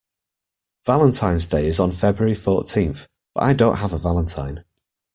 Valentine's Day is on February fourteenth, but I don't have a valentine.